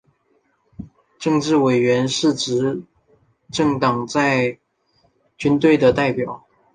政治委员是执政党在军队的代表。